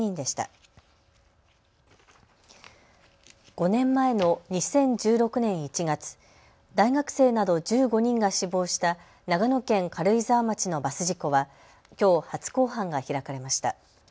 ５年前の２０１６年１月、大学生など１５人が死亡した長野県軽井沢町のバス事故はきょう、初公判が開かれました。